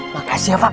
makasih ya pak